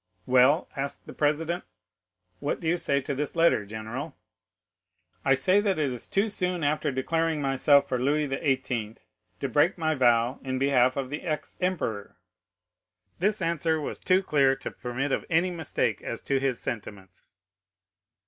"'"Well," asked the president, "what do you say to this letter, general?" "'"I say that it is too soon after declaring myself for Louis XVIII. to break my vow in behalf of the ex emperor." This answer was too clear to permit of any mistake as to his sentiments.